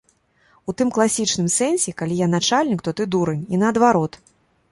У тым класічным сэнсе, калі я начальнік, то ты дурань, і наадварот.